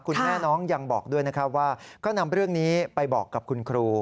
คุณแม่น้องยังบอกด้วยนะครับว่าก็นำเรื่องนี้ไปบอกกับคุณครู